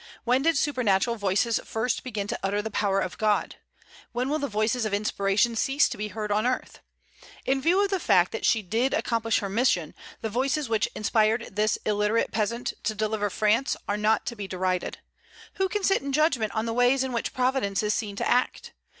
When did supernatural voices first begin to utter the power of God? When will the voices of inspiration cease to be heard on earth? In view of the fact that she did accomplish her mission, the voices which inspired this illiterate peasant to deliver France are not to be derided. Who can sit in judgment on the ways in which Providence is seen to act?